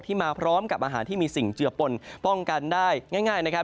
มาพร้อมกับอาหารที่มีสิ่งเจือปนป้องกันได้ง่ายนะครับ